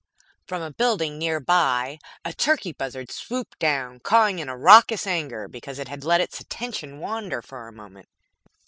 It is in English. From a building nearby a turkey buzzard swooped down, cawing in raucous anger because it had let its attention wander for a moment.